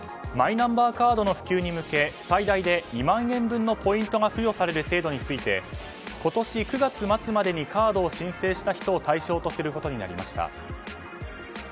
マイナンバーカードの普及に向け最大で２万円分のポイントが付与される制度について今年９月末までにカードを申請した人を対象とすることになりました。